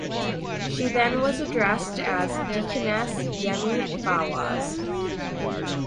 She then was addressed as Deaconess Yemi Fawaz.